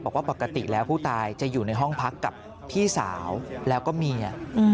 บอกว่าปกติแล้วผู้ตายจะอยู่ในห้องพักกับพี่สาวแล้วก็เมีย